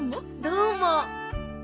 どうも。